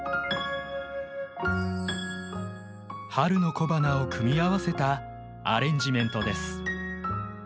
春の小花を組み合わせたアレンジメントです。